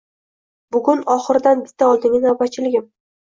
Bugun oxiridan bitta oldingi navbatchiligim